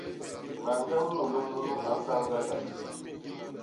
Mañge munlôm nunu a nsal ñgandak.